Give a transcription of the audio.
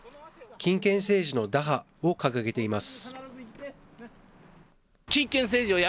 金権政治の打破を掲げています。